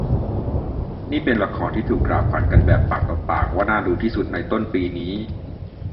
นี่เป็นละครที่ถูกกล่าวขวัญกันแบบปากต่อปากว่าน่าดูที่สุดในต้นปีนี้